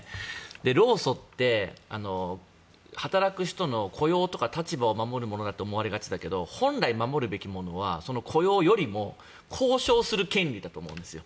で、労組って働く人の雇用とか立場を守るものだと思われがちだけど本来守るべきものは雇用よりも交渉する権利だと思うんですよ。